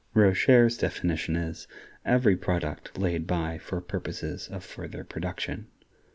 Roscher's definition is, "Every product laid by for purposes of further production."